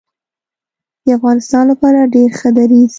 د افغانستان لپاره ډیر ښه دریځ